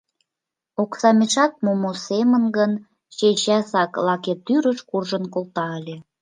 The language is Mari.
Окса мешак мумо семын гын, чечасак лаке тӱрыш куржын колта ыле.